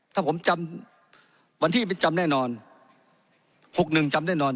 ถ้าผมจำวันที่มันจำแน่นอน๖๑จำแน่นอน